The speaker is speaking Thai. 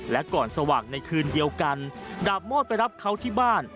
และก่อนสว่างในคืนเดียวกันดาบโมดไปรับเขาที่บ้าน